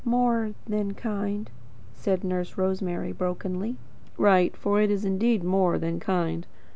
'" "'More than kind,'" said Nurse Rosemary, brokenly. "Right, for it is indeed more than kind.